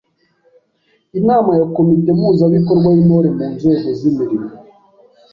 Inama ya komite mpuzabikorwa y’Intore mu nzego z’imirimo